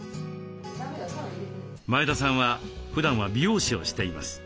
前田さんはふだんは美容師をしています。